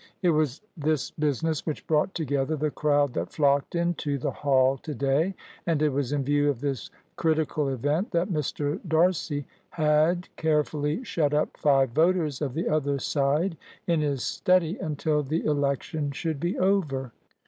It was this business which brought together the crowd that flocked into the Hall to day; and it was in view of this critical event that Mr D'Arcy had carefully shut up five voters of the other side in his study until the election should be over.